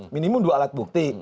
minimum dua alat bukti